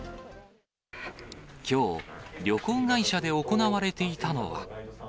きょう、旅行会社で行われていたのは。